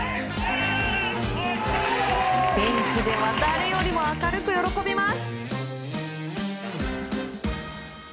ベンチでは誰よりも明るく喜びます。